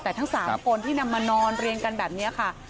แต่ทั้ง๓คนที่นำมานอนเรียงกันแบบนี้ค่ะ